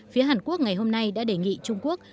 phía hàn quốc ngày hôm nay đã đề nghị trung quốc